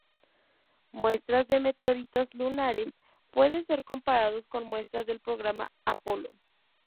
Muestras de meteoritos lunares pueden ser comparados con muestras del programa Apolo.